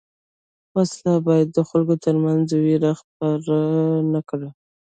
وسله باید د خلکو تر منځ وېره خپره نه کړي